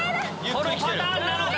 このパターンなのか？